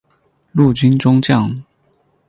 陆军中将。